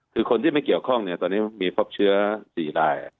คือคนที่ไม่เกี่ยวข้องเนี่ยตอนนี้มีพบเชื้อ๔ราย